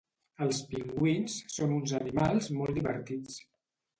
Els pingüins són uns animals molt divertits.